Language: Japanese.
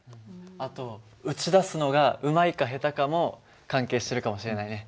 あと撃ち出すのがうまいか下手かも関係してるかもしれないね。